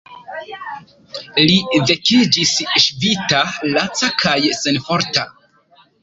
Li vekiĝis ŝvita, laca kaj senforta.